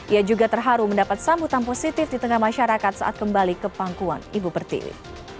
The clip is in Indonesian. ia juga terharu mendapat sambutan positif di tengah masyarakat saat kembali ke pangkuan ibu pertiwi